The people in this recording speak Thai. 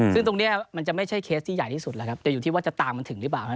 ซึ่งตรงนี้มันจะไม่ใช่เคสที่ใหญ่ที่สุดแล้วครับแต่อยู่ที่ว่าจะตามมันถึงหรือเปล่า